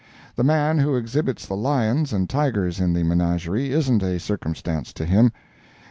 The man who exhibits the lions and tigers in the menagerie isn't a circumstance to him.